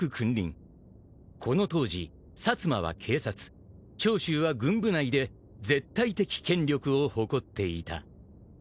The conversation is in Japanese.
［この当時薩摩は警察長州は軍部内で絶対的権力を誇っていた］